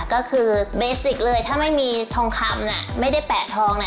ก็คือเบสิกเลยถ้าไม่มีทองคำน่ะไม่ได้แปะทองน่ะ